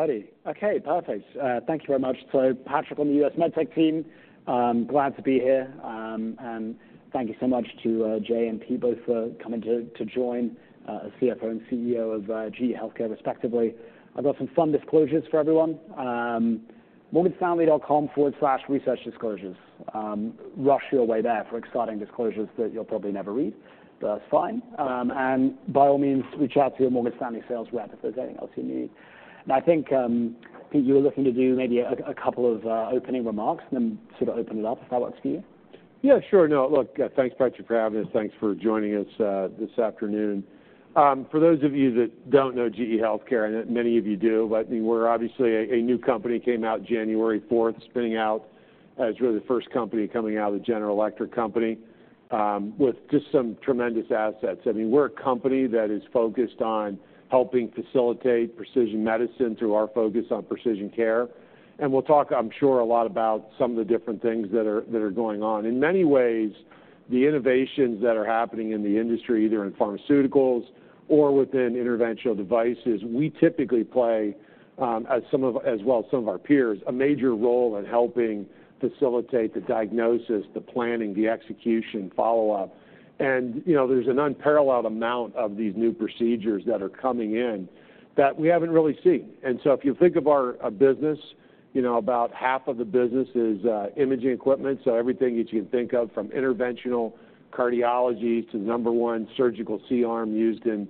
All righty. Okay, perfect. Thank you very much. So Patrick, on the U.S. MedTech team, glad to be here. And thank you so much to Jay and Pete, both for coming to join as CFO and CEO of GE HealthCare, respectively. I've got some fun disclosures for everyone. morganstanley.com/researchdisclosures. Rush your way there for exciting disclosures that you'll probably never read, but that's fine. And by all means, reach out to your Morgan Stanley sales rep if there's anything else you need. And I think, Pete, you were looking to do maybe a couple of opening remarks, then sort of open it up, if that works for you. Yeah, sure. No, look, thanks, Patrick, for having us. Thanks for joining us this afternoon. For those of you that don't know GE HealthCare, and many of you do, but we're obviously a new company, came out January fourth, spinning out as really the first company coming out of the General Electric company, with just some tremendous assets. I mean, we're a company that is focused on helping facilitate precision medicine through our focus on precision care. And we'll talk, I'm sure, a lot about some of the different things that are going on. In many ways, the innovations that are happening in the industry, either in pharmaceuticals or within interventional devices, we typically play, as some of—as well as some of our peers, a major role in helping facilitate the diagnosis, the planning, the execution, follow-up. You know, there's an unparalleled amount of these new procedures that are coming in that we haven't really seen. So if you think of our business, you know, about half of the business is imaging equipment. So everything that you can think of, from interventional cardiology to number one 1 surgical C-arm used in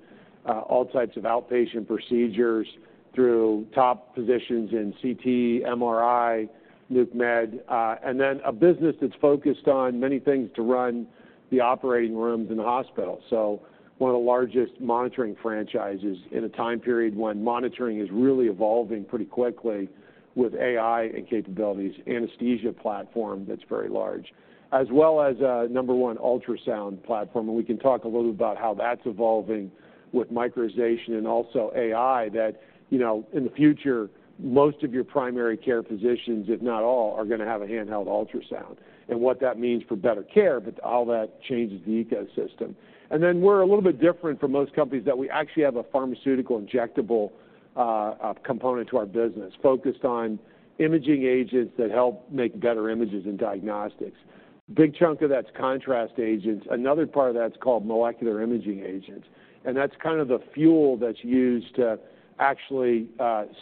all types of outpatient procedures through top positions in CT, MRI, Nuc Med, and then a business that's focused on many things to run the operating rooms in the hospital. So one of the largest monitoring franchises in a time period when monitoring is really evolving pretty quickly with AI and capabilities. Anesthesia platform that's very large, as well as, number one ultrasound platform, and we can talk a little bit about how that's evolving with miniaturization and also AI, that, you know, in the future, most of your primary care physicians, if not all, are going to have a handheld ultrasound, and what that means for better care, but all that changes the ecosystem. And then we're a little bit different from most companies, that we actually have a pharmaceutical injectable, a component to our business, focused on imaging agents that help make better images and diagnostics. Big chunk of that's contrast agents. Another part of that's called molecular imaging agents, and that's kind of the fuel that's used to actually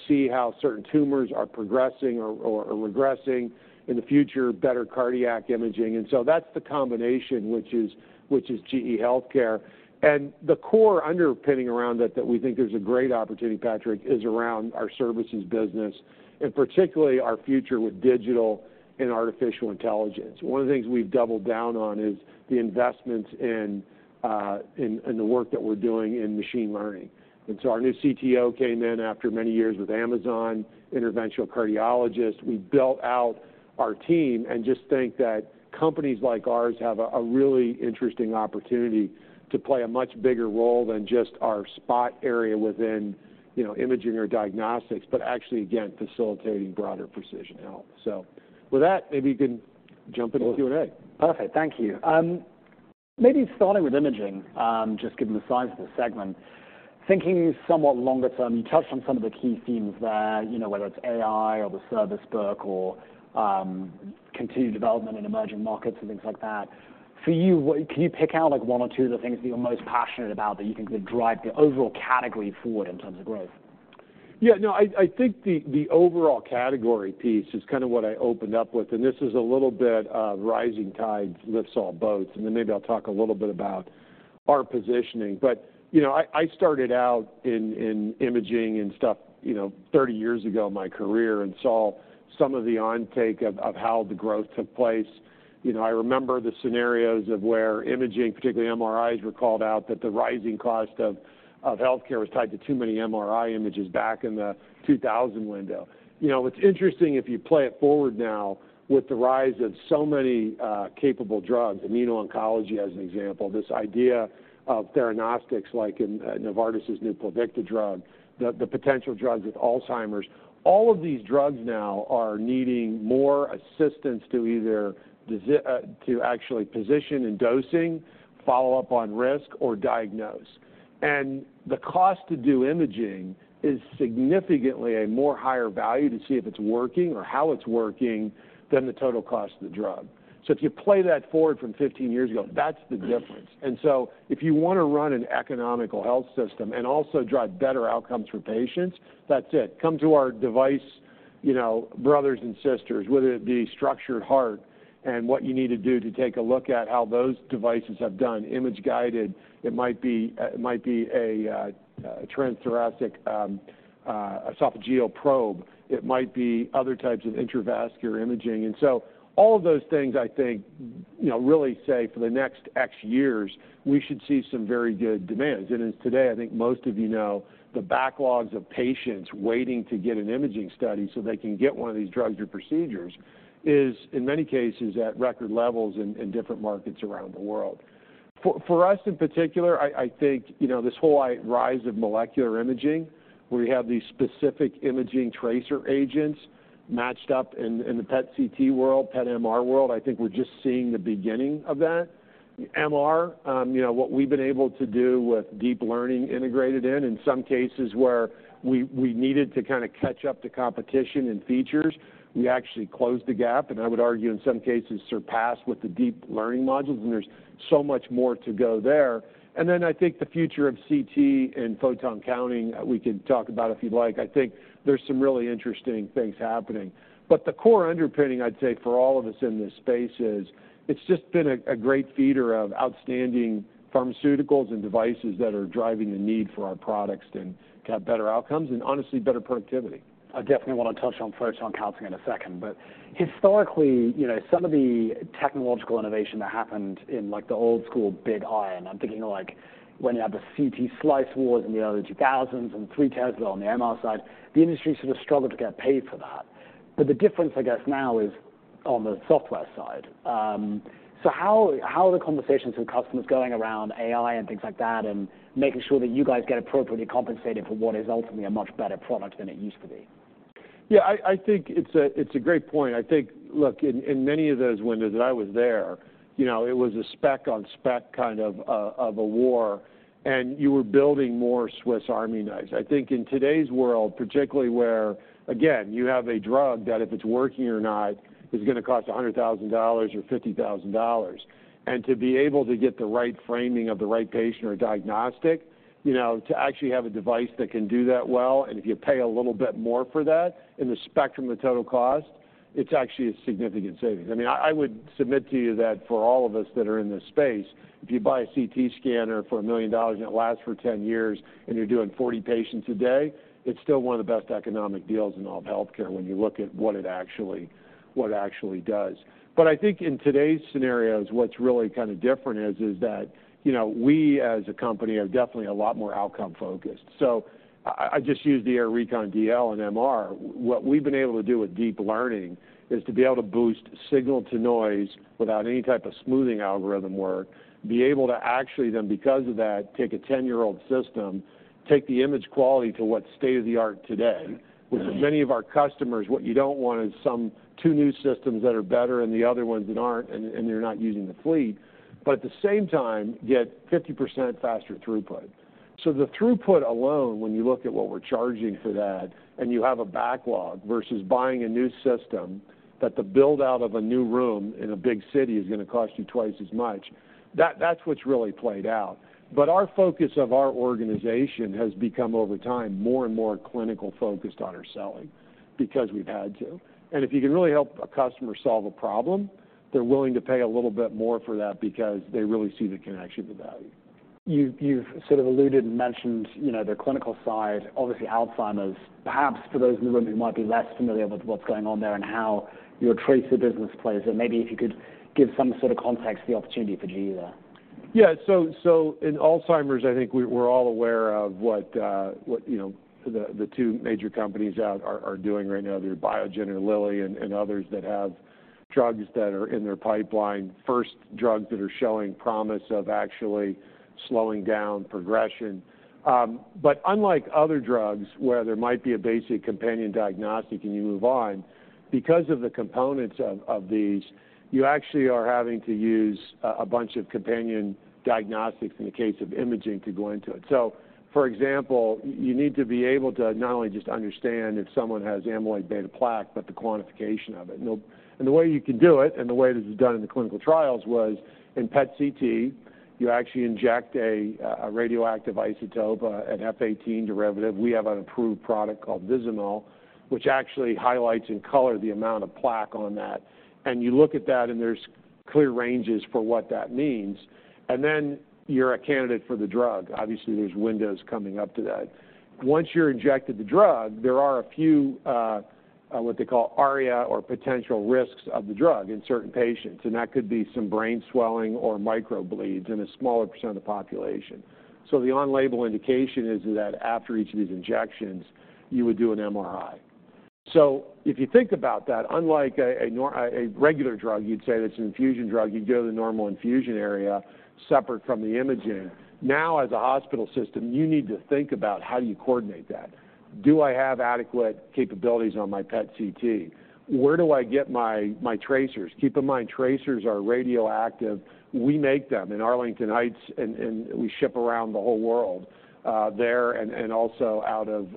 see how certain tumors are progressing or regressing in the future, better cardiac imaging. And so that's the combination, which is, which is GE HealthCare. The core underpinning around that, that we think there's a great opportunity, Patrick, is around our services business, and particularly our future with digital and artificial intelligence. One of the things we've doubled down on is the investments in the work that we're doing in machine learning. And so our new CTO came in after many years with Amazon, interventional cardiologist. We built out our team and just think that companies like ours have a really interesting opportunity to play a much bigger role than just our spot area within, you know, imaging or diagnostics, but actually, again, facilitating broader precision health. With that, maybe you can jump into the Q and A. Perfect. Thank you. Maybe starting with imaging, just given the size of the segment, thinking somewhat longer term, you touched on some of the key themes there, you know, whether it's AI or the service work or, continued development in emerging markets and things like that. For you, what can you pick out, like, one or two of the things that you're most passionate about, that you think could drive the overall category forward in terms of growth? Yeah, no, I think the overall category piece is kind of what I opened up with, and this is a little bit of rising tide lifts all boats, and then maybe I'll talk a little bit about our positioning. But, you know, I started out in imaging and stuff, you know, 30 years ago in my career and saw some of the uptake of how the growth took place. You know, I remember the scenarios of where imaging, particularly MRIs, were called out, that the rising cost of healthcare was tied to too many MRI images back in the 2000 window. You know, what's interesting, if you play it forward now, with the rise of so many capable drugs, immuno-oncology, as an example, this idea of theranostics, like in Novartis's new Pluvicto drug, the potential drugs with Alzheimer's, all of these drugs now are needing more assistance to either desi- to actually position in dosing, follow up on risk, or diagnose. And the cost to do imaging is significantly a more higher value to see if it's working or how it's working than the total cost of the drug. If you play that forward from 15 years ago, that's the difference. If you want to run an economical health system and also drive better outcomes for patients, that's it. Come to our device, you know, brothers and sisters, whether it be structured heart and what you need to do to take a look at how those devices have done. Image guided, it might be, it might be a transthoracic, esophageal probe. It might be other types of intravascular imaging. All of those things I think, you know, really say for the next X years, we should see some very good demands. As today, I think most of you know, the backlogs of patients waiting to get an imaging study so they can get one of these drugs or procedures is, in many cases, at record levels in different markets around the world. For us, in particular, I think, you know, this whole rise of molecular imaging, where you have these specific imaging tracer agents... matched up in the PET/CT world, PET/MR world, I think we're just seeing the beginning of that. MR, you know, what we've been able to do with deep learning integrated in some cases where we needed to kind of catch up to competition and features, we actually closed the gap, and I would argue, in some cases, surpassed with the deep learning modules, and there's so much more to go there. And then I think the future of CT and photon counting, we could talk about if you'd like, I think there's some really interesting things happening. But the core underpinning, I'd say, for all of us in this space is, it's just been a great feeder of outstanding pharmaceuticals and devices that are driving the need for our products to have better outcomes and honestly, better productivity. I definitely want to touch on photon counting in a second, but historically, you know, some of the technological innovation that happened in, like, the old school, big iron. I'm thinking of like, when you had the CT slice wars in the early 2000s and 3 Tesla on the MR side, the industry sort of struggled to get paid for that. But the difference, I guess, now is on the software side. So how, how are the conversations with customers going around AI and things like that, and making sure that you guys get appropriately compensated for what is ultimately a much better product than it used to be? Yeah, I think it's a great point. I think, look, in many of those windows that I was there, you know, it was a spec on spec kind of of a war, and you were building more Swiss Army knives. I think in today's world, particularly where, again, you have a drug that if it's working or not, is gonna cost $100,000 or $50,000, and to be able to get the right framing of the right patient or diagnostic, you know, to actually have a device that can do that well, and if you pay a little bit more for that in the spectrum of total cost, it's actually a significant savings. I mean, I would submit to you that for all of us that are in this space, if you buy a CT scanner for $1 million and it lasts for 10 years, and you're doing 40 patients a day, it's still one of the best economic deals in all of healthcare when you look at what it actually does. But I think in today's scenarios, what's really kind of different is that, you know, we, as a company, are definitely a lot more outcome-focused. So I just use the AIR Recon DL and MR. What we've been able to do with deep learning is to be able to boost signal-to-noise without any type of smoothing algorithm work, be able to actually then, because of that, take a 10-year-old system, take the image quality to what's state-of-the-art today. Yeah. Which for many of our customers, what you don't want is some two new systems that are better, and the other ones that aren't, and you're not using the fleet, but at the same time, get 50% faster throughput. So the throughput alone, when you look at what we're charging for that, and you have a backlog versus buying a new system, that the build-out of a new room in a big city is gonna cost you twice as much, that's what's really played out. But our focus of our organization has become, over time, more and more clinical focused on our selling because we've had to. And if you can really help a customer solve a problem, they're willing to pay a little bit more for that because they really see the connection with value. You've, you've sort of alluded and mentioned, you know, the clinical side, obviously Alzheimer's. Perhaps for those in the room who might be less familiar with what's going on there and how your tracer business plays, and maybe if you could give some sort of context to the opportunity for GE there. Yeah. So in Alzheimer's, I think we're all aware of what, you know, the two major companies out are doing right now. They're Biogen and Lilly and others that have drugs that are in their pipeline, first drugs that are showing promise of actually slowing down progression. But unlike other drugs, where there might be a basic companion diagnostic and you move on, because of the components of these, you actually are having to use a bunch of companion diagnostics in the case of imaging to go into it. So, for example, you need to be able to not only just understand if someone has amyloid beta plaque, but the quantification of it. And the way you can do it, and the way this is done in the clinical trials, was in PET CT, you actually inject a radioactive isotope, an F-18 derivative. We have an approved product called Vizamyl, which actually highlights and color the amount of plaque on that. And you look at that, and there's clear ranges for what that means, and then you're a candidate for the drug. Obviously, there's windows coming up to that. Once you're injected the drug, there are a few, what they call ARIA or potential risks of the drug in certain patients, and that could be some brain swelling or microbleeds in a smaller percent of the population. So the on-label indication is that after each of these injections, you would do an MRI. So if you think about that, unlike a normal regular drug, you'd say that's an infusion drug, you'd go to the normal infusion area separate from the imaging. Now, as a hospital system, you need to think about how you coordinate that. Do I have adequate capabilities on my PET CT? Where do I get my tracers? Keep in mind, tracers are radioactive. We make them in Arlington Heights, and we ship around the whole world, and also out of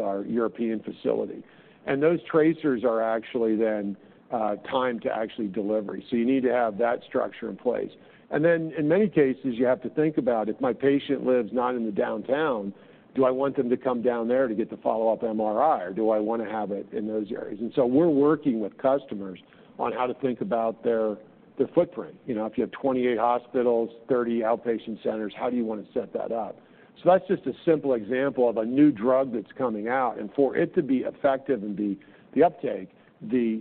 our European facility. And those tracers are actually then timed to actual delivery. So you need to have that structure in place. Then in many cases, you have to think about, if my patient lives not in the downtown, do I want them to come down there to get the follow-up MRI, or do I want to have it in those areas? And so we're working with customers on how to think about their footprint. You know, if you have 28 hospitals, 30 outpatient centers, how do you want to set that up? So that's just a simple example of a new drug that's coming out, and for it to be effective and the uptake, the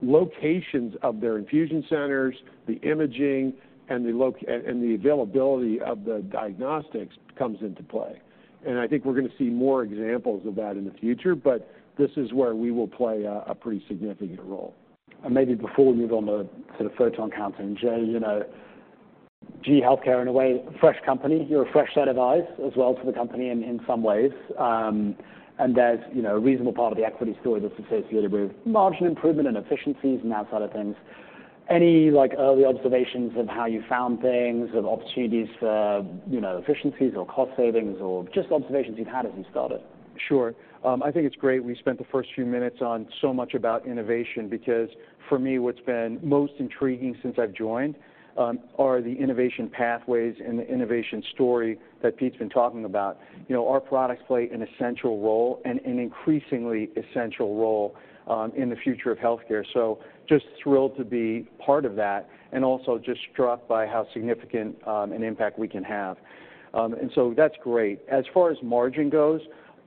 locations of their infusion centers, the imaging, and the availability of the diagnostics comes into play. And I think we're gonna see more examples of that in the future, but this is where we will play a pretty significant role. Maybe before we move on to sort of photon counting, Jay, you know, GE HealthCare, in a way, a fresh company. You're a fresh set of eyes as well to the company in some ways. And there's, you know, a reasonable part of the equity story that's associated with margin improvement and efficiencies and that side of things. Any, like, early observations of how you found things, of opportunities for, you know, efficiencies or cost savings, or just observations you've had as you started? Sure. I think it's great we spent the first few minutes on so much about innovation, because for me, what's been most intriguing since I've joined, are the innovation pathways and the innovation story that Pete's been talking about. You know, our products play an essential role and an increasingly essential role, in the future of healthcare. So just thrilled to be part of that, and also just struck by how significant, an impact we can have. And so that's great. As far as margin goes,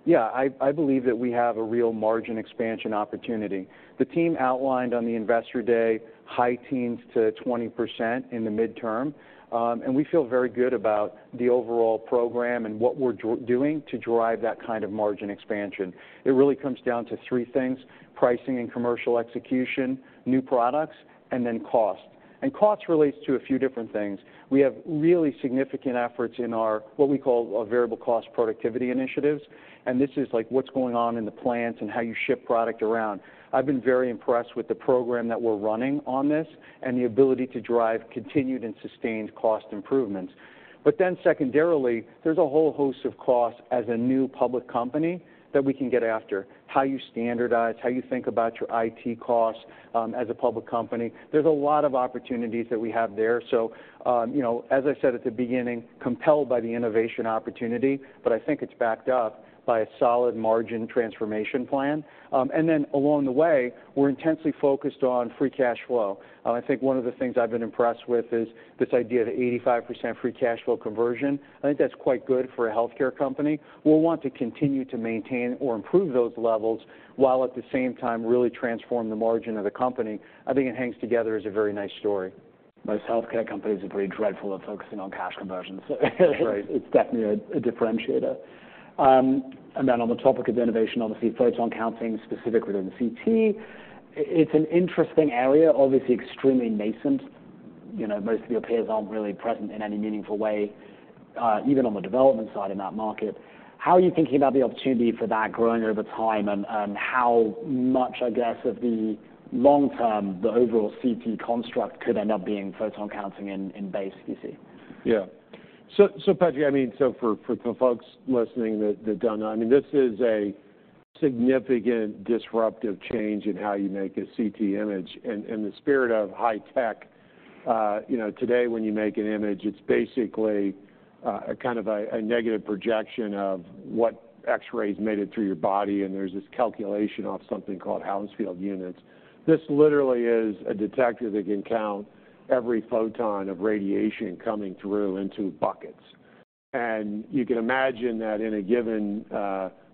yeah, I, I believe that we have a real margin expansion opportunity. The team outlined on the Investor Day, high teens to 20% in the midterm, and we feel very good about the overall program and what we're doing to drive that kind of margin expansion. It really comes down to three things: pricing and commercial execution, new products, and then cost. Cost relates to a few different things. We have really significant efforts in our, what we call, our variable cost productivity initiatives, and this is like what's going on in the plants and how you ship product around. I've been very impressed with the program that we're running on this, and the ability to drive continued and sustained cost improvements. But then secondarily, there's a whole host of costs as a new public company that we can get after. How you standardize, how you think about your IT costs, as a public company. There's a lot of opportunities that we have there. So, you know, as I said at the beginning, compelled by the innovation opportunity, but I think it's backed up by a solid margin transformation plan. And then along the way, we're intensely focused on free cash flow. I think one of the things I've been impressed with is this idea of 85% free cash flow conversion. I think that's quite good for a healthcare company. We'll want to continue to maintain or improve those levels, while at the same time, really transform the margin of the company. I think it hangs together as a very nice story. Most healthcare companies are pretty dreadful at focusing on cash conversion, so- Right. It's definitely a differentiator. And then on the topic of innovation, obviously, photon counting, specifically within CT, it's an interesting area, obviously extremely nascent. You know, most of your peers aren't really present in any meaningful way, even on the development side in that market. How are you thinking about the opportunity for that growing over time, and how much, I guess, of the long term, the overall CT construct could end up being photon counting in base, do you see? Yeah. Patrick, I mean, for the folks listening that don't know, I mean, this is a significant disruptive change in how you make a CT image. In the spirit of high tech, you know today, when you make an image, it's basically a kind of a negative projection of what X-rays made it through your body, and there's this calculation off something called Hounsfield units. This literally is a detector that can count every photon of radiation coming through into buckets. You can imagine that in a given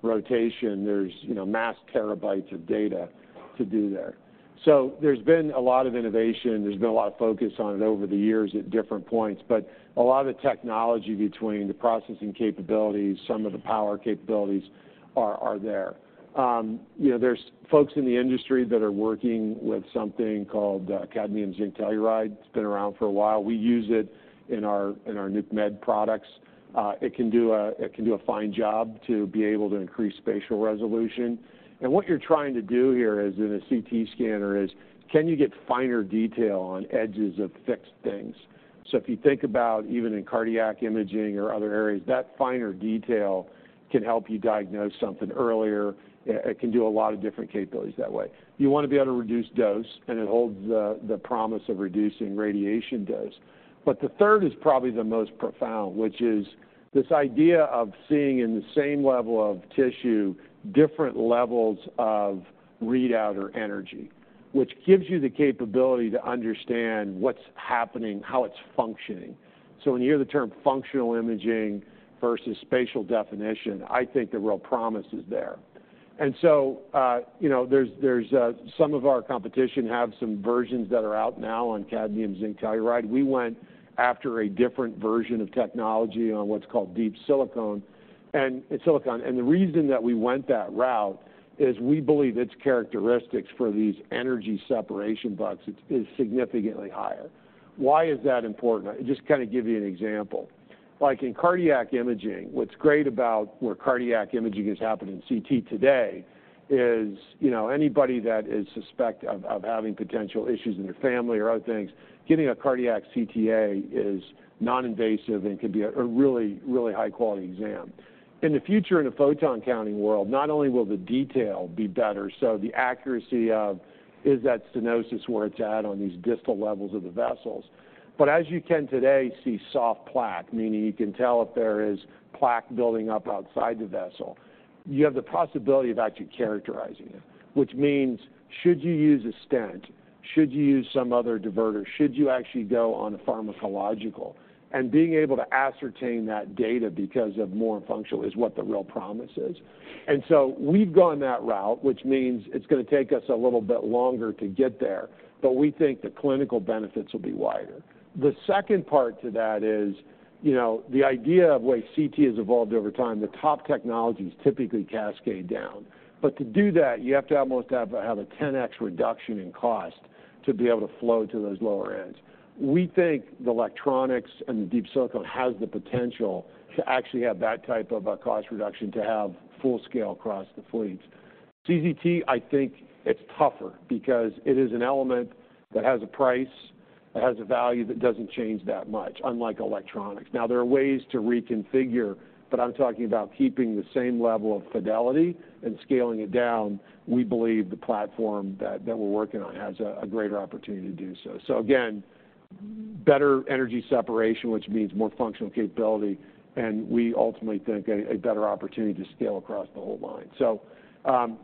rotation, there's, you know, mass terabytes of data to do there. There's been a lot of innovation, there's been a lot of focus on it over the years at different points, but a lot of the technology between the processing capabilities, some of the power capabilities are there. You know, there's folks in the industry that are working with something called Cadmium Zinc Telluride. It's been around for a while. We use it in our NucMed products. It can do a fine job to be able to increase spatial resolution. And what you're trying to do here in a CT scanner is, can you get finer detail on edges of fixed things? So if you think about even in cardiac imaging or other areas, that finer detail can help you diagnose something earlier. It can do a lot of different capabilities that way. You want to be able to reduce dose, and it holds the promise of reducing radiation dose. But the third is probably the most profound, which is this idea of seeing in the same level of tissue, different levels of readout or energy, which gives you the capability to understand what's happening, how it's functioning. So when you hear the term functional imaging versus spatial definition, I think the real promise is there. And so, you know, some of our competition have some versions that are out now on Cadmium Zinc Telluride. We went after a different version of technology on what's called deep silicon. And the reason that we went that route is we believe its characteristics for these energy separation buckets is significantly higher. Why is that important? I just kind of give you an example. Like in cardiac imaging, what's great about where cardiac imaging is happening in CT today is, you know, anybody that is suspect of having potential issues in their family or other things, getting a cardiac CTA is non-invasive and can be a really, really high-quality exam. In the future, in a photon counting world, not only will the detail be better, so the accuracy of is that stenosis where it's at on these distal levels of the vessels? But as you can today see soft plaque, meaning you can tell if there is plaque building up outside the vessel. You have the possibility of actually characterizing it, which means, should you use a stent? Should you use some other diverter? Should you actually go on a pharmacological? And being able to ascertain that data because of more functional is what the real promise is. So we've gone that route, which means it's gonna take us a little bit longer to get there, but we think the clinical benefits will be wider. The second part to that is, you know, the idea of the way CT has evolved over time, the top technologies typically cascade down. But to do that, you have to almost have a 10x reduction in cost... to be able to flow to those lower ends. We think the electronics and the Deep Silicon has the potential to actually have that type of a cost reduction, to have full scale across the fleet. CZT, I think it's tougher because it is an element that has a price, that has a value that doesn't change that much, unlike electronics. Now, there are ways to reconfigure, but I'm talking about keeping the same level of fidelity and scaling it down. We believe the platform that we're working on has a greater opportunity to do so. So again, better energy separation, which means more functional capability, and we ultimately think a better opportunity to scale across the whole line. So,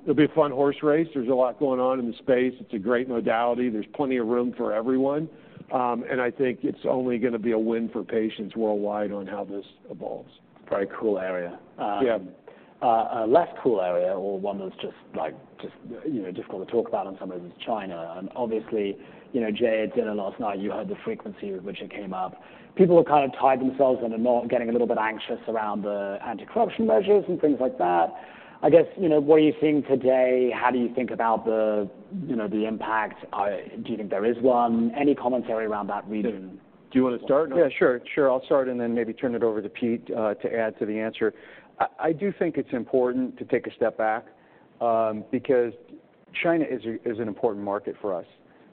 it'll be a fun horse race. There's a lot going on in the space. It's a great modality. There's plenty of room for everyone, and I think it's only gonna be a win for patients worldwide on how this evolves. Very cool area. Yeah. A less cool area, or one that's just like, you know, difficult to talk about on some level is China. And obviously, you know, Jay, at dinner last night, you heard the frequency with which it came up. People were kind of tied themselves in a knot, getting a little bit anxious around the anti-corruption measures and things like that. I guess, you know, what are you seeing today? How do you think about the, you know, the impact? Do you think there is one? Any commentary around that region? Do you want to start? Yeah, sure. Sure, I'll start and then maybe turn it over to Pete to add to the answer. I do think it's important to take a step back, because China is an important market for us.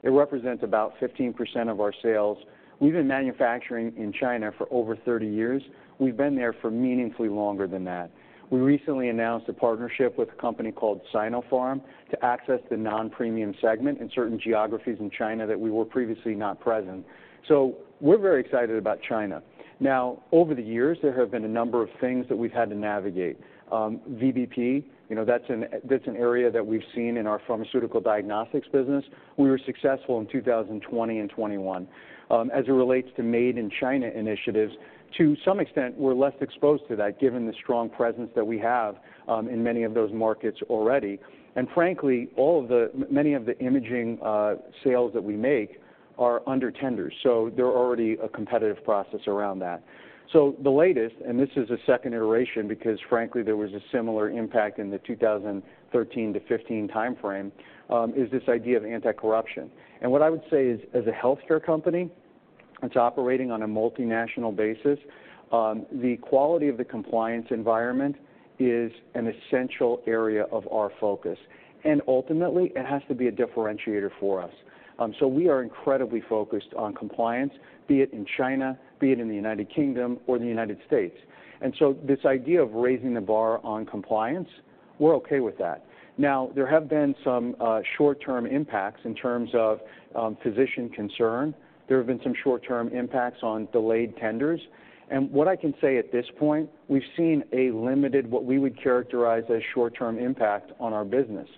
It represents about 15% of our sales. We've been manufacturing in China for over 30 years. We've been there for meaningfully longer than that. We recently announced a partnership with a company called Sinopharm, to access the non-premium segment in certain geographies in China that we were previously not present. So we're very excited about China. Now, over the years, there have been a number of things that we've had to navigate. VBP, you know, that's an area that we've seen in our pharmaceutical diagnostics business. We were successful in 2020 and 2021. As it relates to Made in China initiatives, to some extent, we're less exposed to that, given the strong presence that we have in many of those markets already. Frankly, many of the imaging sales that we make are under tender, so there are already a competitive process around that. The latest, and this is a second iteration, because frankly, there was a similar impact in the 2013-2015 timeframe, is this idea of anti-corruption. What I would say is, as a healthcare company, it's operating on a multinational basis, the quality of the compliance environment is an essential area of our focus, and ultimately, it has to be a differentiator for us. So we are incredibly focused on compliance, be it in China, be it in the United Kingdom or the United States. And so this idea of raising the bar on compliance, we're okay with that. Now, there have been some short-term impacts in terms of physician concern. There have been some short-term impacts on delayed tenders. And what I can say at this point, we've seen a limited, what we would characterize as short-term impact on our business.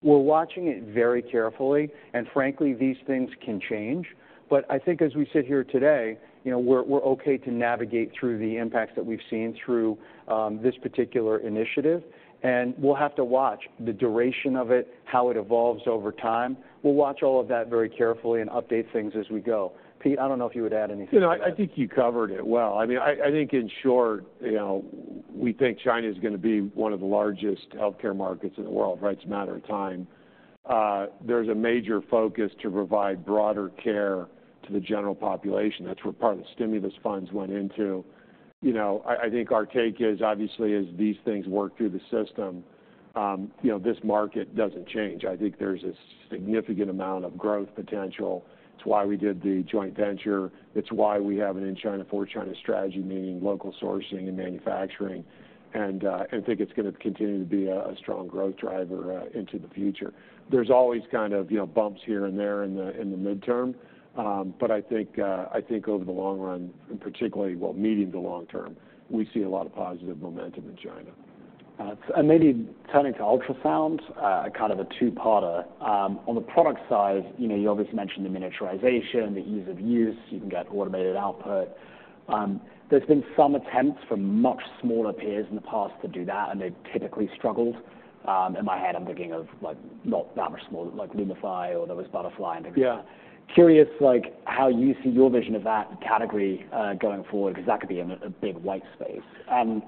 We're watching it very carefully, and frankly, these things can change. But I think as we sit here today, you know, we're okay to navigate through the impacts that we've seen through this particular initiative, and we'll have to watch the duration of it, how it evolves over time. We'll watch all of that very carefully and update things as we go. Pete, I don't know if you would add anything to that. You know, I think you covered it well. I mean, I think in short, you know, we think China is gonna be one of the largest healthcare markets in the world, right? It's a matter of time. There's a major focus to provide broader care to the general population. That's where part of the stimulus funds went into. You know, I think our take is, obviously, as these things work through the system, you know, this market doesn't change. I think there's a significant amount of growth potential. It's why we did the joint venture. It's why we have an in China, for China strategy, meaning local sourcing and manufacturing, and I think it's gonna continue to be a strong growth driver into the future. There's always kind of, you know, bumps here and there in the midterm, but I think, I think over the long run, and particularly, well, medium to long term, we see a lot of positive momentum in China. And maybe turning to ultrasound, kind of a two-parter. On the product side, you know, you obviously mentioned the miniaturization, the ease of use. You can get automated output. There's been some attempts from much smaller peers in the past to do that, and they've typically struggled. In my head, I'm thinking of, like, not that much smaller, like Lumify, or there was Butterfly and things. Yeah. Curious, like, how you see your vision of that category going forward, because that could be a big white space. And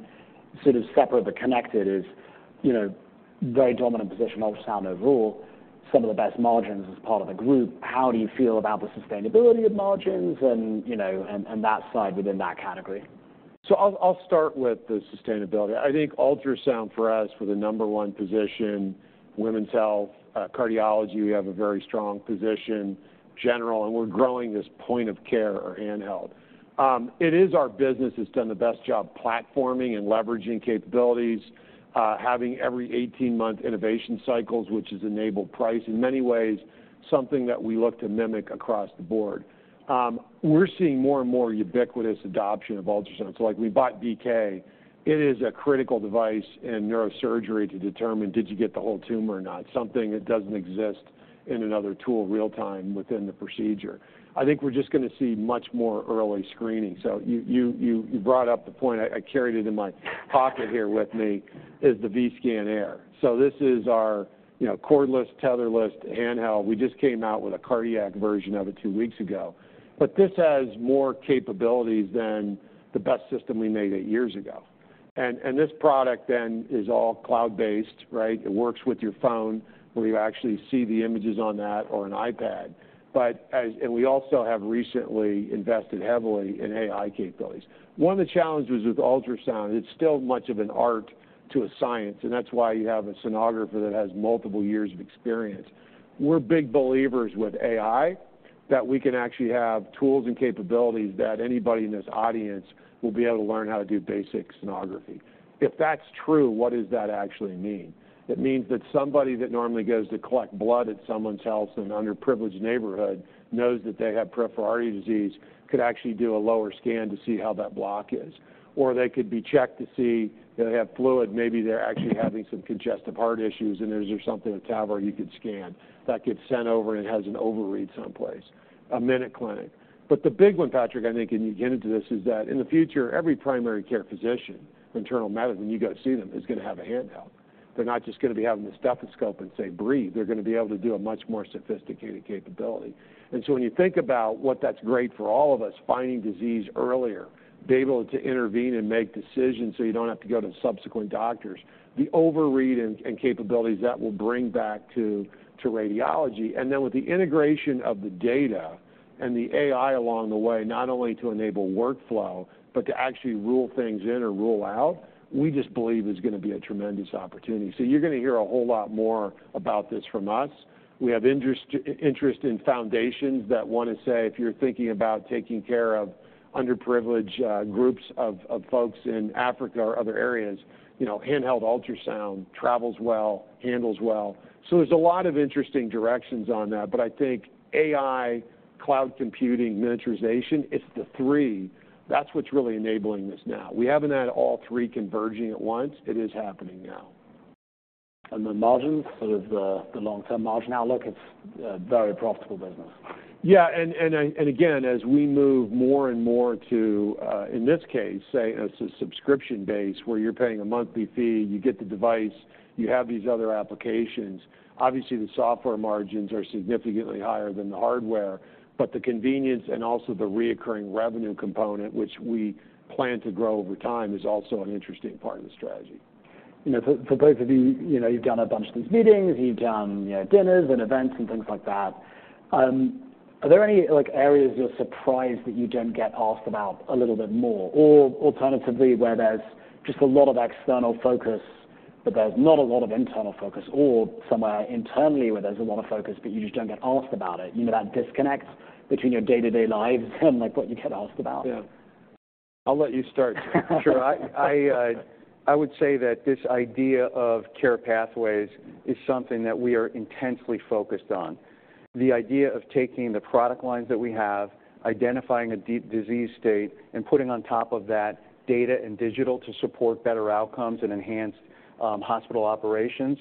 sort of separate but connected is, you know, very dominant position, ultrasound overall, some of the best margins as part of the group. How do you feel about the sustainability of margins and, you know, that side within that category? So I'll start with the sustainability. I think ultrasound for us, we're the number one position, women's health, cardiology, we have a very strong position, general, and we're growing this point of care or handheld. It is our business that's done the best job platforming and leveraging capabilities, having every 18-month innovation cycles, which has enabled price, in many ways, something that we look to mimic across the board. We're seeing more and more ubiquitous adoption of ultrasound. So like we bought BK, it is a critical device in neurosurgery to determine, did you get the whole tumor or not? Something that doesn't exist in another tool real-time within the procedure. I think we're just gonna see much more early screening. So you brought up the point, I carried it in my pocket here with me, is the Vscan Air. So this is our, you know, cordless, tetherless, handheld. We just came out with a cardiac version of it two weeks ago. But this has more capabilities than the best system we made eight years ago... And, and this product then is all cloud-based, right? It works with your phone, where you actually see the images on that or an iPad. But and we also have recently invested heavily in AI capabilities. One of the challenges with ultrasound, it's still much of an art to a science, and that's why you have a sonographer that has multiple years of experience. We're big believers with AI, that we can actually have tools and capabilities that anybody in this audience will be able to learn how to do basic sonography. If that's true, what does that actually mean? It means that somebody that normally goes to collect blood at someone's house in an underprivileged neighborhood, knows that they have peripheral artery disease, could actually do a lower scan to see how that block is. Or they could be checked to see if they have fluid, maybe they're actually having some congestive heart issues, and is there something at TAVR you could scan, that gets sent over and has an overread someplace, a minute clinic. But the big one, Patrick, I think, and you get into this, is that in the future, every primary care physician, internal medicine, when you go see them, is gonna have a handheld. They're not just gonna be having the stethoscope and say, "Breathe," they're gonna be able to do a much more sophisticated capability. And so when you think about what that's great for all of us, finding disease earlier, be able to intervene and make decisions so you don't have to go to subsequent doctors. The overread and capabilities that will bring back to radiology, and then with the integration of the data and the AI along the way, not only to enable workflow, but to actually rule things in or rule out, we just believe is gonna be a tremendous opportunity. So you're gonna hear a whole lot more about this from us. We have interest in foundations that wanna say, if you're thinking about taking care of underprivileged groups of folks in Africa or other areas, you know, handheld ultrasound, travels well, handles well. So there's a lot of interesting directions on that, but I think AI, cloud computing, miniaturization, it's the three. That's what's really enabling this now. We haven't had all three converging at once. It is happening now. The margins, sort of the long-term margin outlook, it's a very profitable business. As we move more and more to, in this case, say, as a subscription base, where you're paying a monthly fee, you get the device, you have these other applications. Obviously, the software margins are significantly higher than the hardware, but the convenience and also the recurring revenue component, which we plan to grow over time, is also an interesting part of the strategy. You know, for both of you, you know, you've done a bunch of these meetings, you've done, you know, dinners and events and things like that. Are there any, like, areas you're surprised that you don't get asked about a little bit more? Or alternatively, where there's just a lot of external focus, but there's not a lot of internal focus, or somewhere internally where there's a lot of focus, but you just don't get asked about it. You know, that disconnect between your day-to-day lives and, like, what you get asked about. Yeah. I'll let you start. Sure. I would say that this idea of care pathways is something that we are intensely focused on. The idea of taking the product lines that we have, identifying a deep disease state, and putting on top of that data and digital to support better outcomes and enhance hospital operations,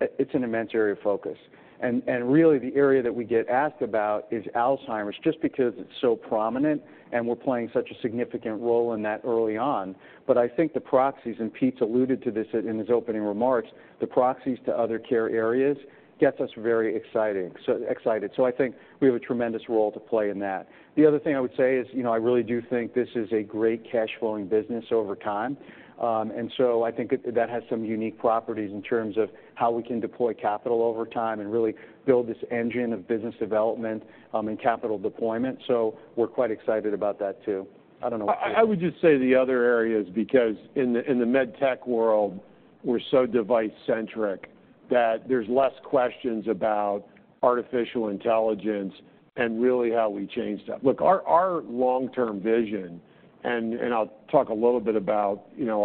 it's an immense area of focus. And really, the area that we get asked about is Alzheimer's, just because it's so prominent and we're playing such a significant role in that early on. But I think the proxies, and Pete's alluded to this in his opening remarks, the proxies to other care areas, gets us very exciting-so excited. So I think we have a tremendous role to play in that. The other thing I would say is, you know, I really do think this is a great cash flowing business over time. And so I think that has some unique properties in terms of how we can deploy capital over time and really build this engine of business development, and capital deployment. So we're quite excited about that, too. I don't know- I would just say the other areas, because in the med tech world, we're so device centric, that there's less questions about artificial intelligence and really how we change that. Look, our long-term vision, and I'll talk a little bit about, you know,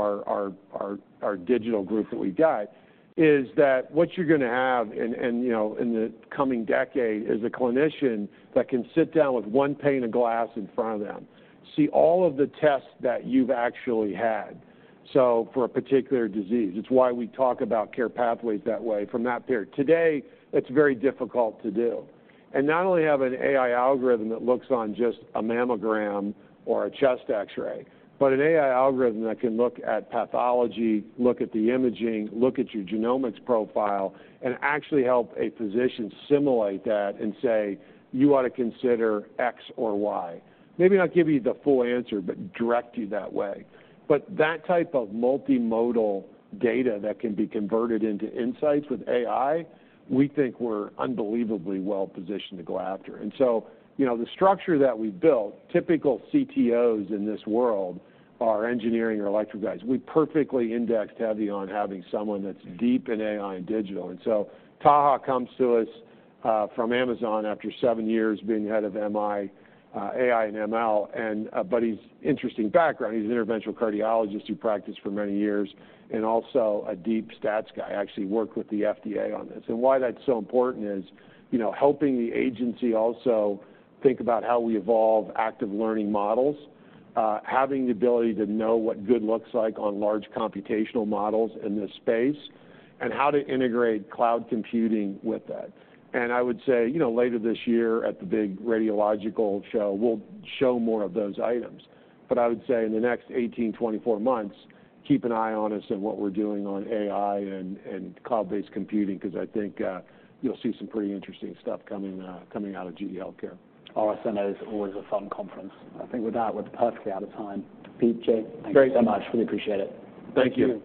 our digital group that we've got, is that what you're gonna have and, you know, in the coming decade, is a clinician that can sit down with one pane of glass in front of them, see all of the tests that you've actually had, so for a particular disease. It's why we talk about care pathways that way, from that period. Today, it's very difficult to do. And not only have an AI algorithm that looks on just a mammogram or a chest X-ray, but an AI algorithm that can look at pathology, look at the imaging, look at your genomics profile, and actually help a physician simulate that and say, "You ought to consider X or Y." Maybe not give you the full answer, but direct you that way. But that type of multimodal data that can be converted into insights with AI, we think we're unbelievably well positioned to go after. And so, you know, the structure that we built, typical CTOs in this world are engineering or electric guys. We perfectly indexed heavy on having someone that's deep in AI and digital. And so Taha comes to us, from Amazon after seven years being head of MI, AI and ML. And, but he's interesting background. He's an interventional cardiologist who practiced for many years and also a deep stats guy, actually worked with the FDA on this. Why that's so important is, you know, helping the agency also think about how we evolve active learning models, having the ability to know what good looks like on large computational models in this space, and how to integrate cloud computing with that. I would say, you know, later this year, at the big radiological show, we'll show more of those items. But I would say in the next 18months-24 months, keep an eye on us and what we're doing on AI and, and cloud-based computing, because I think, you'll see some pretty interesting stuff coming, coming out of GE HealthCare. RSNA is always a fun conference. I think with that, we're perfectly out of time. Pete, Jay, thank you so much. Great. Really appreciate it. Thank you.